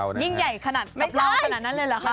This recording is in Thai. มันยิ่งใหญ่ขนาดสำาระขนาดนั่นเลยหรอคะ